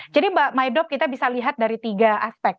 jadi mbak maidok kita bisa lihat dari tiga aspek